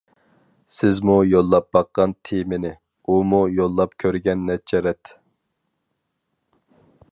سىزمۇ يوللاپ باققان تېمىنى، ئۇمۇ يوللاپ كۆرگەن نەچچە رەت.